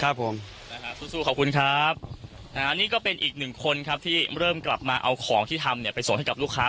ครับผมนะครับสู้สู้ขอบคุณครับนะฮะนี่ก็เป็นอีกหนึ่งคนครับที่เริ่มกลับมาเอาของที่ทำเนี่ยไปส่งให้กับลูกค้า